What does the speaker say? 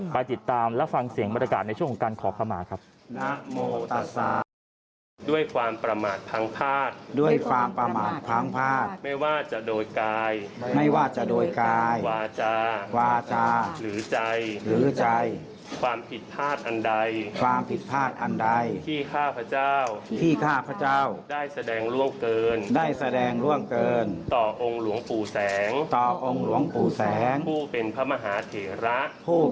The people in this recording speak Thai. ไปติดตามและฟังเสียงบรรยากาศในช่วงของการขอขมาครับ